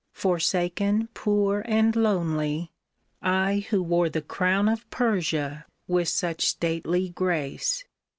Forsaken, poor and lonely, I who wore The crown of Persia with such stately grace